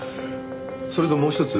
それともうひとつ。